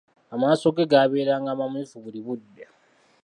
Amaaso ge gaabeeranga mamyufu buli budde.